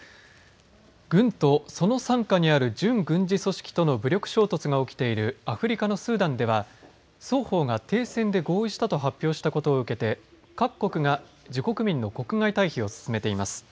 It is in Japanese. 軍とその傘下にある準軍事組織との武力衝突が起きているアフリカのスーダンでは双方が停戦で合意したと発表したことを受けて各国が自国民の国外待避を進めています。